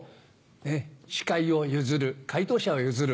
ねっ司会を譲る回答者を譲る。